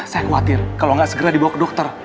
saya khawatir kalau nggak segera dibawa ke dokter